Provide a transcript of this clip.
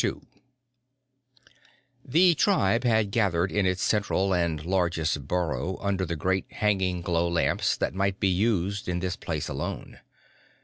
II The tribe had gathered in its central and largest burrow under the great, hanging glow lamps that might be used in this place alone.